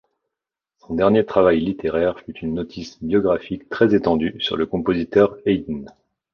Son dernier travail littéraire fut une notice biographique très étendue sur le compositeur Haydn.